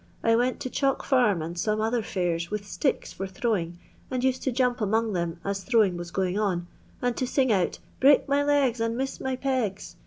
I went to Chalk farm and some other fairs with sticks for throwing, and used to jump among them as throwing was going on, and to sing out, ' break my legs and miss my pegs.'